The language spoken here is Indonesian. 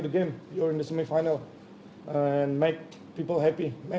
dan membuat orang indonesia bahagia